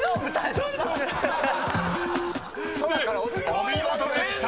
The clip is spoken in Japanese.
［お見事でした。